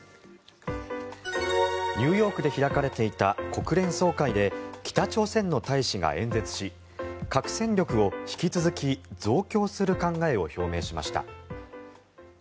ニューヨークで開かれていた国連総会で北朝鮮の大使が演説し核戦力を引き続き増強する考えを表明しました。